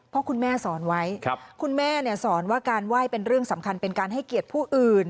เพราะคุณแม่สอนไว้คุณแม่เนี่ยสอนว่าการไหว้เป็นเรื่องสำคัญเป็นการให้เกียรติผู้อื่น